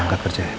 angkat kerja ya